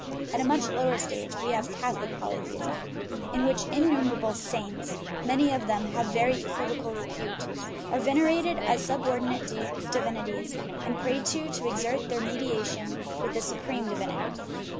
At a much lower stage we have Catholic polytheism, in which innumerable " saints " (many of them of very equivocal repute) are venerated as subordinate divinities, and prayed to to exert their mediation with the supreme divinity.